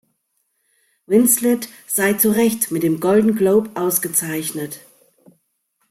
Winslet sei zu Recht mit dem Golden Globe ausgezeichnet.